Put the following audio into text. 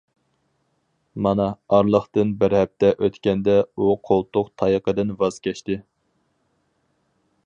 مانا ئارىلىقتىن بىر ھەپتە ئۆتكەندە ئۇ قولتۇق تايىقىدىن ۋاز كەچتى.